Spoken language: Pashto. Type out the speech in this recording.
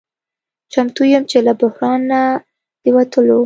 چمتو یم چې له بحران نه د وتلو